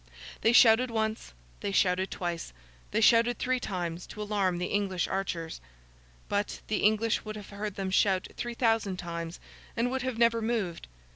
They shouted once, they shouted twice, they shouted three times, to alarm the English archers; but, the English would have heard them shout three thousand times and would have never moved.